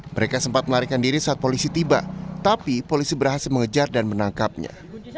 mereka sempat melarikan diri saat polisi tiba tapi polisi berhasil mengejar dan menangkapnya